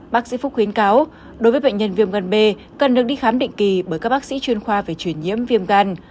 bác sĩ phúc khuyến cáo đối với bệnh nhân viêm gan b cần được đi khám định kỳ bởi các bác sĩ chuyên khoa về chuyển nhiễm viêm gan